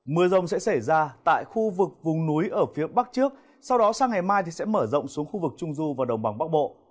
mưa rông sẽ xảy ra tại khu vực vùng núi ở phía bắc trước sau đó sang ngày mai sẽ mở rộng xuống khu vực trung du và đồng bằng bắc bộ